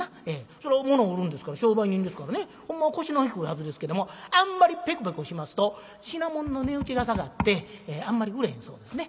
そら物を売るんですから商売人ですからねほんまは腰の低いはずですけどもあんまりペコペコしますと品物の値打ちが下がってあんまり売れへんそうですね。